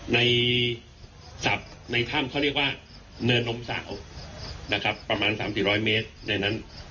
ในท่ำเขาเรียกว่าเนินนมเศร้านะครับประมาณ๓๐๐๔๐๐เมตรในนั้น